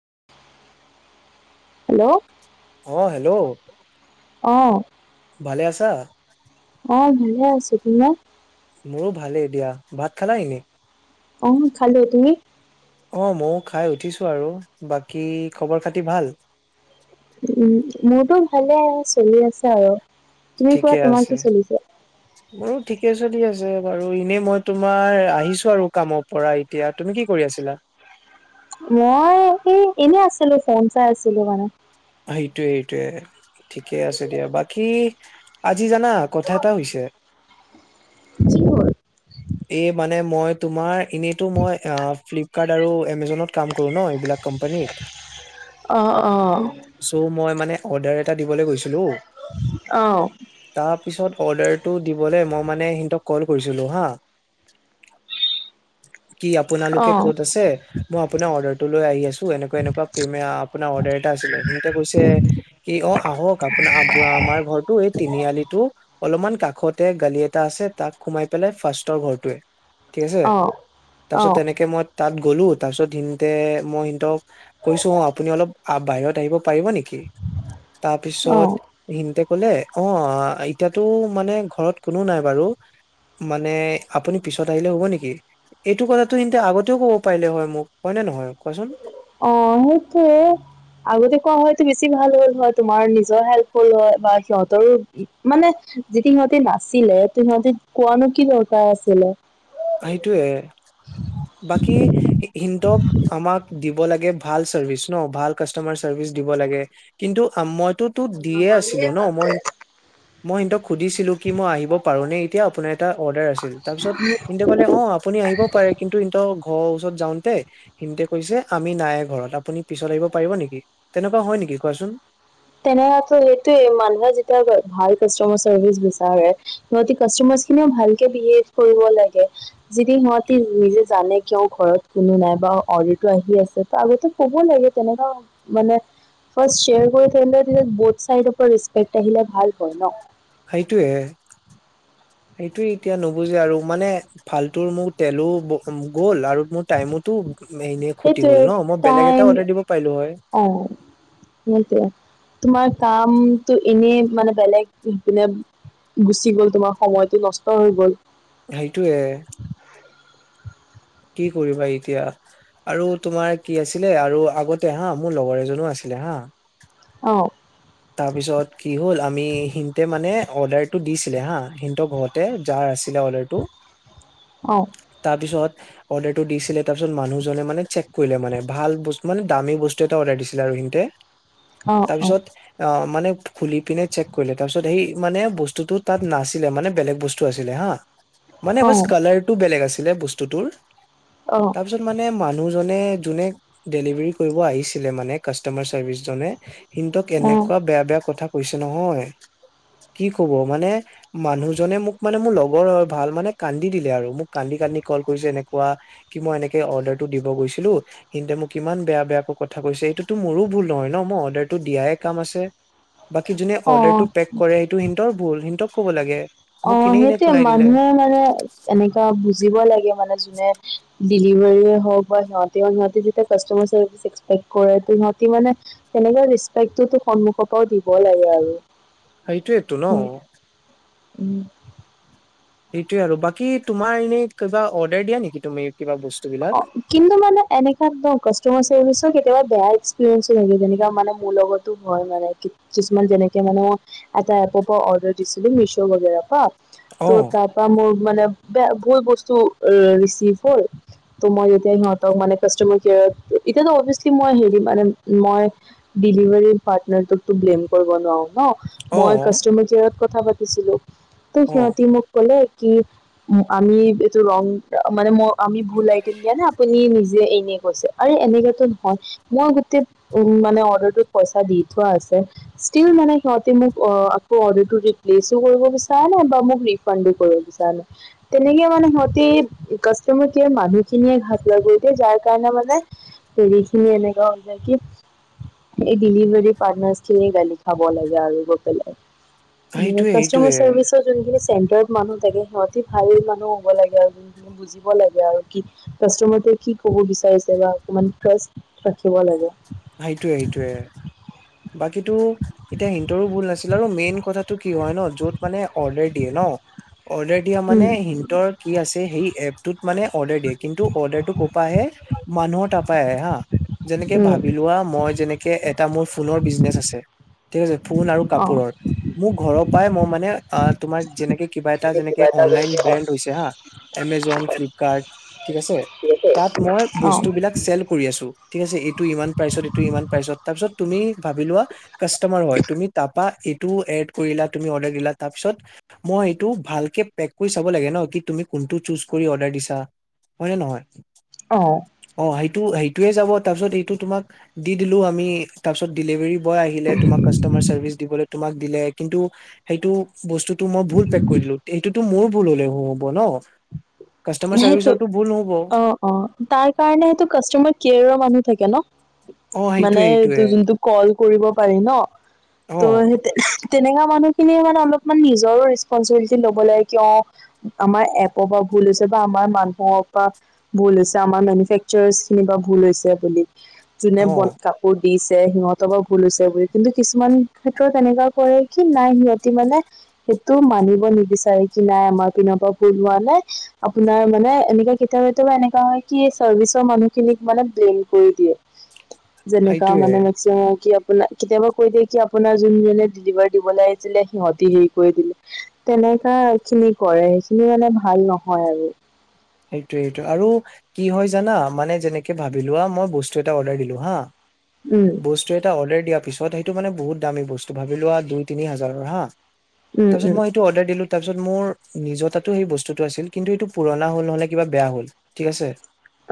[unintelligible] অ hello. অহ। ভালে আছা। অ ভালে আছো তোমাৰ। মোৰো ভালেই এ দিয়া ভাত খালা নি। অঁ খালোঁ তুমি অ ময়ো খাই উঠিছো আৰু বাকী খবৰ খাতি ভাল। উম মোৰতো ভালে চলি আছে আৰু। তুমিৰ ঠিকে পৰা তোমাৰ আছে কি চলিছো। মোৰো ঠিকে চলি আছে বাৰু এনে মই তোমাৰ আহিছো আৰু কামৰ পৰা এতিয়া তুমি কি কৰি আছিলা। মই এই এনে আছিলো ফেঞ্চাই আছিলো মানে। সেইটোৱে এইটয়ে ঠিকে আছে দিয়া বাকী আজি জানা কথা এটা হৈছে। জি হয়। এই মই মানে তোমাৰ এনেটু মই ফিলিকাড, এমেজন কাম কৰোঁ ন এই বিলাক কুমপানীত অঁ অঁ চৌ মই মানে। অৰ্ডাৰ এটা। দিবলৈ গৈছিলো অঁ তাৰপিছত। অৰ্ডাৰটো দিবলৈ মই মানে সিহঁতক কল কৰিছিলোঁ হা। কি অঁ আপোনালোকে কত আছে মই আপোনাৰ অৰ্ডাৰটো লৈ আহি আছো এনেকুৱা এনেকুৱ আপোনাৰ অৰ্ডাৰ এটা আছিলে সিহঁতে কৈছে কি অ আহক আপোনাৰ আমাৰ ঘৰটো এই তিনিআলিটো অলপমান কাষতে গালি এটা আছে তাক সোমাই। পেললে ফাৰ্ষ্ট। ৰ ঘৰটোৱে। ঠিক আছে অঁ তাৰপিছত অঁ তেনেকে মই তাত গ'লো। তাৰপিছত সিতে মই সিহঁতক। কৈছো অ আপুনি অলপ বাহিৰত। পাৰিব নেকি! তাৰ পিছত অঁ সিহতে কলে। অ এতিয়াতো মানে ঘৰত কোনো নাই বাৰু মানে। আপুনি পিছত আহিলে হ'ব নেকি? এইটো কথাটো সিহঁতে আগতেও কব পাৰিলে হয় মোক হয়নেে নহয় কোৱাচোন অ সেইটো আগতে কোৱা হয়তো বেছি ভাল হ'ল হয়। তোমাৰ নিজৰ হেল্প হল হয় বা সিহঁতৰো মানে যিটো সিহঁতে নাছিলে সিহঁতি কোৱানো কি দৰকাৰ আছিলে। সেইটোয়ে বাকী সিহঁতক আমাক দিব লাগে ভাল চাৰ্ভিচ ন ভাল কাষ্টমাৰ চাৰ্ভিচ দিব লাগে। কিন্তু আই টো দিয়ে আছিলো ন মই মই সিহঁতক সুধিছিলো কি মই আহিব পাৰো নে এতিয়া আপোনাৰ এটা অৰ্ডাৰ আছিল। তাৰপিছত এন্ত কলে অ আপুনি আহিবও পাৰে কিন্তু এ ঘৰৰ ওচৰত যাওঁতে সিহঁতে কৈছে আমি নাই ঘৰত। আপুনি পিছত আহিব পাৰিব নেকি তেনেকুৱা হয় নেকি কোৱাচোন তেনেহলে সেইটো‌য়ে। মানুহে যেতিয়া ভাল কাষ্টমাৰ চাৰ্ভিচ বিচাৰে সিহঁতি কাষ্টমাৰ খিনিয়ে ভালকে বিসেব কৰিব লাগ। যদি সিহঁতে নিজে জানে কিয় ঘৰত কোনো নাই। অৰ্ডাৰটো আহি আছে। তাৰ আগতে কব লাগে তেনেকা ব চাই েক আহিলে ভাল হয় ন [unintelligible] সেইটোয়ে। সেইটো এতিয়া নুবুজে আৰু মানে ফালতু মোৰ তেলো গ'ল আৰু মোৰ টাইমোতো এনে ক্ষতি সেইটো হ'ল ন মই বেলেগ তাই এটা অৰ্ডাৰ দিব পাৰিলো হয় অ সেইটো তোমাৰ কামটো এনে। মানে বেলেগপিনে গুচি গ'ল তোমাৰ সময়টো নষ্ট হৈ গ'ল। সেইটোয়ে কি কৰিবা এতিয়া আৰু তোমাৰ কি আছিলে আৰু আগতে হা মোৰ লগৰ এজনো আছিলে হা অ' তাৰ পিছত কি হ'ল। আমি সিহতে মানে অৰ্ডাৰটো দিছিলে হা সিহতৰ ঘৰতে যাৰ আছিলে অৰ্ডাৰটো অ তাৰপিছত অৰ্ডাৰটো দিছিলে। তাৰপিছত মানুহজনে মানে চেক কৰিলে মানে ভাল মানে দামী বস্তু এটা অৰ্ডাৰ দিছিলে আৰু সিহঁতে অ অ তাৰপিছত অ মানে খুলি পিনে চেক কৰিলে তাৰ পিছত সেই মানে বস্তুটো তাত নাছিলে মানে বেলেগ বস্তু আছিলে হা। মানে অ বছ কালাৰ টো বেলেগ আছে ছিলে বস্তুটোৰ অ তাৰ পিছত মানে মানুহ মানে কোনে ডেলিভাৰী কৰিব আহিছিলে মানে কাষ্টমাৰ চাৰ্ভিচ জনে কিন্তু অ কেনেক বেয়া বেয়া কথা কৈছে নহয় কি কব মানে মানুহজনে মোক মানে মোৰ লগৰ ভাল মানে কান্দি দিলে আৰু মোক কান্দি কান্দি কল কৰিছে। এনেকুৱা কি মই এনেকে অৰ্ডাৰটো দিব গৈছিলো কিন্তে মোক কিমান বেয়া বেয়াকৈ কথা কৈছে এইটোতো মোৰো ভুল নহয় ন মই অৰ্ডাৰটো দিয়াই কাম আছে। বাকী যোনে অ অৰ্ডাৰটো পেক কৰে সেইটো সিহঁতৰ ভুল সিহঁতক ক'ব লাগে। অ মোক ইনে ইনে সেইটোয়ে খুনাই দিলে মানুহে মানে এনেুৱা বুজিব লাগে মানে যোনে ডিলিভাৰ হওক হয়। সিহঁতে যেতিয়া কষ্ট কৰিছে চাপসকাইপ কৰাটো মানে কোনোবাই ৰেচপেকট সন্মুখৰ পৰা দিব লাগে আৰু। সেইটো এইটো ন উম সেইটোয়ে আৰু বাকী তোমাৰ এনেই কিবা অৰ্ডাৰ দিয়া নেকি তুমি? কিবা বস্তু অ বিলাক কিন্তু মানে এনেকা কাষ্টমাৰ চাৰ্ভিচও কেতিয়াবা বেয়া হৈছে। তেনে মানে মোৰ লগতো হয় মানে কি কিছুমান যেনেকে মানে এটা এপৰ পৰা অৰ্ডাৰ দিছিলো মিছ বাগোৰ পৰা তো অ তাৰ পৰা মোৰ মানে বেয়া ভুল বস্তু ৰিচিভ হল ত মই যেতিয়া সিহঁতক মানে কাষ্টমাৰ কেয়াৰত এতিয়াতো অভিয়াচলি মই হেৰি মান মই ডেলিভাৰী পাৰ্টনাৰটোকতো ব্লেম কৰিব নোৱাৰো ন অ মই কাষ্টমাৰ কেয়াৰ কথা পাতিছিলোঁ ত অ সিহতি মোক কলে কি আমি এইটো ৰং মানে ম আ ভুলাই দি দিয়ে নে আপুনি নিজ যে এনে কৈছে এনেকোৱা নহয় মই গোটেই উ মানে অৰ্ডাৰতো পইচা দি থোৱা আছে ষ্টিল মানে সিহতে মোক আকৌ অ আকৌ অৰ্ডাৰতো ৰিপ্লেচ কৰিব বিচৰা নাই বা মোক ৰিফাণ্ডডো কৰিব বিচৰা নাই তেনেকে মানে সিহতে কাষ্টামাৰ মানুহ খিনিয়ে আঘাত লাগে এতিয়া যাৰ কাৰণে মানে হেৰি খিনি এনেকোৱা যে কি এই ডেলিভাৰী পাৰ্টনাৰচ খিনিয়ে গালি খাব লাগে আৰু গৈ পেলাই সেইটোয়ে কাষ্টমাৰ সেইটোয়ে চাৰ্ভিচৰ যোনখিনি চেণ্টাৰ মানুহ থাকে সিহঁতি ভাল মানুহ হ'ব লাগে আৰু যোনখিনি বুজিব লাগে কাষ্টামাৰটোৱে কি কব বিচাৰিছে বা অকমান টেষ্ট ৰাখিব লাগে সেইটোৱে সেইটোৱে বাকীতো এতিয়া সিহতৰো ভুল নাছিল ন আৰু মেইন কথাটো কি হয় ন য'ত মানে অৰ্ডাৰ দিয়ে ন অৰ্ডাৰ দিয়া মানে সিহতৰ কি আছে সেই এপ মানে অৰ্ডাৰ দিয়ে কিন্তু অৰ্ডাৰটোোক ক'পা আহে মানুহৰ টাপাই আহে হা যেনেকে ভাব মই যেনেকে এটা মোৰ ফোনৰ বিজনেছ আছে তে যে ফোন আৰু অঁ কাপোৰৰ মোৰ ঘৰৰ পৰাই মই মানে তোমাৰ যেনে কিবা এটা যেনেকে যেনে কিবা এটা অনলান যেনেকে ব্ৰেণ্ড অৰ্ডাৰ হৈছে হা এমেজন ফ্লিপকাৰ্ট ঠিক আছে তাত মই দিয়ে অঁ বস্তু চেল কৰি আছো ঠিক আছে এইটো ইমান তাৰপিছত এইটো ইমান তাৰপিছত তুমি ভাৱি লোৱা কাষ্টামাৰ হয় তুমি তাপা এইটো এড কৰিলা তুমি অৰ্ডাৰ দিলা তাৰপিছত মই এইটো ভালকে পেক কৰি চাব লাগে কি তুমি কোনটো চোজ কৰি অৰ্ডাৰ দিছা হয় নে নহয় অহ অ সেইটো সেইটোয়ে যাব তাৰপিছত এইটো তোমাক দি দিলো আমি তাৰপিছত ডেলিভাৰী দিব আহিলে তোমাক কাষ্টমাৰ চাৰ্ভিচ দিবলৈ তোমাক দিলে কিন্তু সেইটো বস্তু তো মই ভুল পেক কৰিলো এইটো টো মোৰ ভুল হলে হ হ'ব ন কাষ্টমাৰ সেইটো চাৰ্ভিচৰটো ভুল নহ'ব অ অ তাৰ কাৰণে সেইটো কাষ্টমাৰ কেয়ৰৰ মানুহ থাকে ন অ মানে সেইটোয়ে এইটো সেইটোয়ে যোনটো কল কৰিব পাৰি ন অ ত' সেই তেনেকা মানুহ মানে অলপমান নিজৰো ৰেচপঞ্চছিবিলিটি ল'ব লাগে ক অ আমাৰ এপৰ বা ভুল বা আমাৰ মানুহৰ পৰা ভুল হৈছে আমাৰ মেনুফেকচাৰ খিনি পা ভুল হৈছে বুলি অ [unintelligible] দিছে সিহঁতৰ বা ভুল হৈছে বুলি কিন্তু কিছুমান ক্ষেত্ৰত এনেকোৱা কৰে কি নাই সিহঁতি মানে সেইটো মানিব নিবিচাৰে কি নাই আমাৰ পিনৰ পৰা ভুল হোৱা নাই আপোনাৰ মানে, এনেকা কেতিয়াবা কেতিয়াবা এনেকা হয় কি চাৰ্ভিচৰ মানুহখিনিক মানে ব্লেম কৰি দিয়ে। যেনেকা সেইটোয়ে মানে মেক্সিমাম কি আপোনা কেতিয়াবা কৈ দিয়ে কি আপোনাৰ যোনজনে ডিলিভাৰী দিবলৈ আহিছিলে সিহঁতি হেৰি কৰি দিলে তেনেকা একচুৱেলি কৰে, সেইখিনি মানে ভাল ন হয় আৰু। সেইটোৱে সেইটোৱে আৰু কি হয় জানা মানে যেনেকে ভাবি লোৱা মই বস্তু এটা অৰ্ডাৰ দিলো হাঁ উম বস্তু এটা অৰ্ডাৰ দিয়াৰ পিছত পিছত সেইটো মানে বহুত দামী বস্তু ভাবিলোৱা দুই তিনি হাজাৰৰ হাঁ উম তাৰপিছত উম মই এইটো অৰ্ডাৰ দিলো তাৰপিছত মোৰ নিজৰতাটো সেই বস্তুটো আছিল কিন্তু এইটো পুৰনা পুৰণা হ'ল নহ'লে কিবা বেয়া হ'ল ঠিক আছে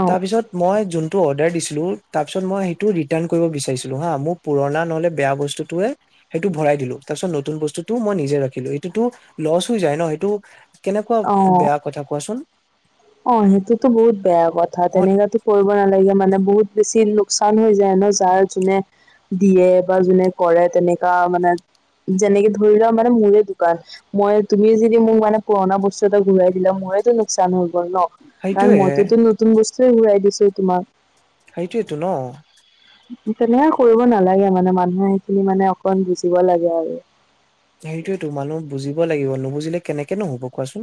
অ তাৰ পিছত মই যোন টো অৰ্ডাৰ দিছিলো তাৰপাছত মই সেইটো ৰিটাৰ্ণ কৰিব বিচাৰিছিলো হাঁ। মোৰ পুৰনা নহ'লে বেয়া বস্তুটোৱে সেইটো ভৰাই দিলো তাৰপিছত নতুন বস্তুটো মই নিজে ৰাখি লৈ সেইটোটো লছ হৈ যায় ন, সেইটো কেনেকুৱা বেয়া কথা কোৱাচোন? অঁ সেইটোতো বহুত বেয়া কথা অ তেনেকাটো কৰিব ব নালেগে মানে বহুত বেছি লোকচান হৈ যায় ন, যাৰ যোনে দিয়ে বা যোনে কৰে তেনেকা মানে, যেনেকে ধৰি লোৱা মানে মোৰে দোকান মই, তুমি যদি মোক মানে পুৰণা বস্তু এটা ঘূৰাই দিলা মইটো লোকচান হল। গ'ল ন, ' কাৰণ সেইটোয়ে মইটোতো নতুন বস ছে ঘূৰাই দিছো তোমাক। সেইটোৱেটো ন'। তেনেকে কৰিব নালাগে মানে, মানুহে সেইখিনি মানে অকণ বুজিব লাগে আৰু। সেইটোৱেটো মানুহ বুজিব লাগিব নুবুজিলে কেনেকে নো হ'ব কোৱাচোন?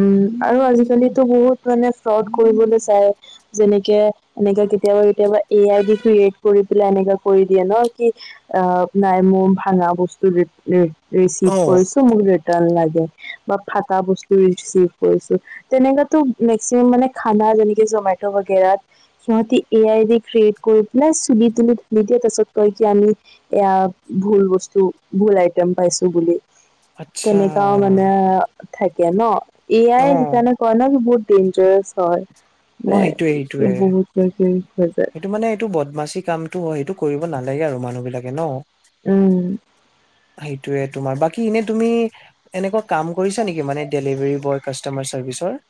উম, আৰু আজিকালিটো বহুত মানে ফ্ৰড কৰিবলৈ চাই, যেনেকে এনেকে কেতিয়াবা কেতিয়াবা এ আই ডি ক্ৰিয়েট কৰি পেলাই এনেকা কৰি দিয়ে ন। কি অঁ নাই মোৰ ভাঙা বস্তু অ ৰিচিভ কৰিছো মোক ৰিটাৰ্ণ লাগে। বা ফাটা বস্তু টো ৰিচিভ কৰিছো, তেনেকাতো মেক্সিমাম মানে খানা যেনেকে জ'মেটো বাগেৰাত, সিহঁতি এ আই ক্ৰিয়েট কৰি পেলাই চুলি তুলি খুলি দিয়ে, তাৰপাছত কয় যে আমি এয়া ভুল বস্তু ভুল আইটেম পাইছো বুলি। আচ্ছা তেনেকাও মানে থা কেন'? এয়াই অ সেইকাৰণে কয় ন সি বহুত ডেঞ্জাৰেছ হয়। ম অ সেইটোয়ে এই সেইটোয়ে বহুত হৈ যায় সেইটো মানে এইটো বদমাচি কামটো হয় সেইটো কৰিব নালাগে আৰু মানুহ বিলাকে ন? উম। সেইটোৱে তোমাৰ বাকী এনে তুমি, এনেকুৱা কাম কৰিছা নেকি, মানে ডেলিভাৰী বয় কাষ্টমাৰ চাৰ্ভিচৰ?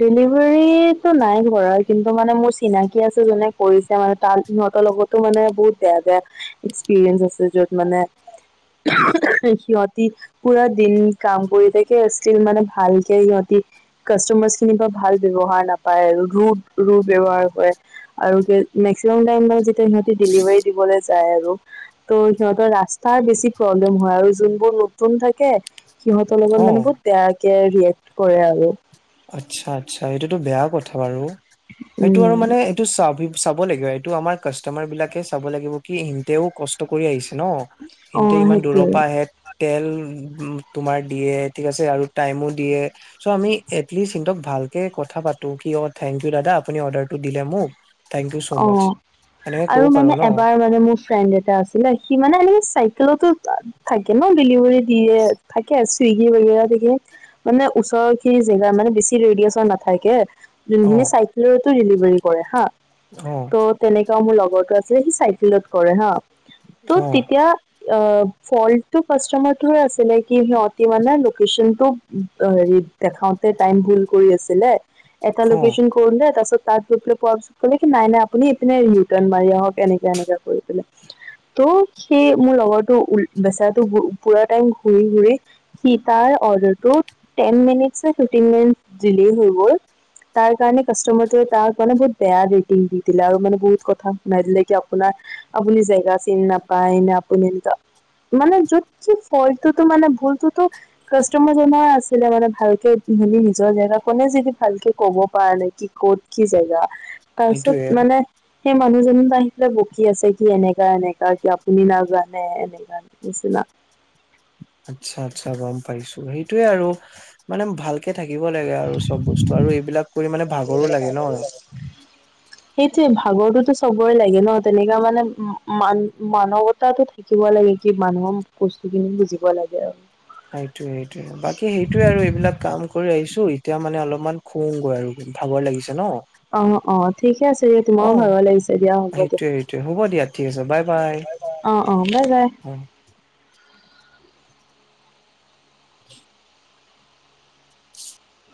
ডেলিভাৰীটো নাই কৰা কিন্তু মানে মোৰ চিনা থিকে আছে। যোনে কৰিছে মানে, সিহঁতৰ লগতো মানে, বহুত বেয়া, বেয়া এক্সপিৰিয়েনচ আছে। য'ত মানে, সিহঁতি পুৰা দিন কাম কৰি থাকে, ইচতিল মানে, ভালকে সিহঁতি কাষ্টমাৰ খিনিপা ভাল ব্যৱহাৰ নাপায় আৰু ৰোড ৰোড ব্যৱহাৰ কৰে আৰু মেক্সিমাম টাইম মানে যে সিহঁতি ডেলিভাৰী দিবলে যায় আৰু ত' সিহঁতৰ ৰাস্তাৰ বেছি প্ৰব্লেম হয় আৰু যোনবোৰ নতুন থাকে সিহঁতৰ লগত অ মানে, বহুত বেয়াকে বিহেভ কৰে আৰু। আচ্ছা! আচ্ছা! এইটোতো বেয়া কথা বাৰু। সেইটো আৰু উম মানে, এইটো চাবি চাব লাগিব। এইটো, আমাৰ কাষ্টমাৰ বিলাকে চাব লাগিব কি! ইহঁতেও কষ্ট কৰি আহিছে। ন'! অ সিহঁতে ইমান দূৰৰ সেইটোৱে পৰা আহে। তেল তোমাৰ দিয়ে, ঠিক আছে আৰু টাইমো দিয়ে। চ' আমি এটলিষ্ট সিহঁতক ভালকে কথা পাতোঁ কিয়! থেংক ইউ দাদা আপুনি অৰ্ডাৰটো দিলে মোক। থেংক ইউ চ' মাচ অ'! এনেকে ক'ব আৰু পাৰো মানে, ন এবাৰ মানে মোৰ ফ্ৰেণ্ড এটা আছিলে। সি মানে, চাইকেলতো থাকে ন' ডেলিভাৰীত দিয়ে থাকে আছে। চুইগি [unintelligible] দিয়ে। মানে, ওচৰ খিনি জেগা মানে বেছি ৰেডিঅচন নাথাকে। অ যোনখিনি চাইকেলত ডেলিভাৰী কৰে হা! অ'! ত' তেনেকা মোৰ লগৰটো আছিলে। সি চাইকেলত কৰে হা! ত' অ তেতিয়া অ'! ফল্টো কাষ্টমাৰটোয়ে আছিলে। কি সিহঁতি মানে, লোকেশ্যনটো ৰ' হেৰিত দেখাওঁ। টাইম ভুল কৰি আছিলে। এটা অ লোকেশ্যন কৰিলে। তাৰ পিছত, তাত গৈ পিলে পোৱাৰ পিছত ক'লে কি? নাই, নাই। আপুনি ইপিনে ৰিটাৰ্ন মাৰি আহক এনেকা, এনেকা। ত' সেই মোৰ লগৰটো বেচেৰাটো পুৰা টাইম ঘূৰি, ঘূৰি। সি তাৰ অৰ্ডাৰটোত তেনমিনিট নে ফিফটিন মিনিট দিলেই হৈ গ'ল। তাৰ কাৰনে, কাচতমাৰটোৱে তাক মানে বহুত বেয়া ৰেটিং দি দিলে আৰু মানে, বহুত কথা শুনাই দিলে! কি আপোনাৰ আপুনি জেগা চিনি নাপায়। নে আপুনি এ মানে, য'ত কি ফল্টটো মানে, ভুলটো কাষ্টমাৰ জনৰে আছিলে। মানে, ভালকে হেৰি নিজৰ জেগাকনে যদি ভালকে ক'ব পৰা নাই। কি ক'ত, কি জেগা। সেইটোয়ে তাৰপিছত মানে, সেই মানুহজনৰ পৰা আহি পেলাই বকি আছে। সি এনেকা, এনেকা কি আপুনি নাজানে! এনেকা নিচিনা। আচ্ছা! আচ্ছা! গম পাইছোঁ। সেইটোৱে আৰু মানে, ভালকে থাকিব লাগে আৰু চব বস্তু আৰু এইবিলাক কৰি মানে ভাগৰো লাগে ন'! সেইটোৱে, ভাগৰটোতো চবৰে লাগে ন'। তেনেকা মানে, মান মানৱতাটো থাকিব লাগে। কি মানুহৰ বস্তু খিনি বুজিব লাগে আৰু। সেইটোৱে, সেইটোৱে। বাকী সেইটোৱে আৰু এইবিলাক কাম কৰি আহিছোঁ। এতিয়া মানে, অলপমান শুগৈ আৰু ভাগৰ লাগিছে ন'! অ অ। ঠিক আছে। অ তোমাৰো ভাগৰ লাগিছে দিয়া হ'ব দিয়া সেইটোয়ে সেইটোয়ে হ'ব দিয়া ঠিক আছে বাই বাই অ অ বাই বাই। অ